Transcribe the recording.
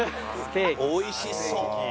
おいしそう！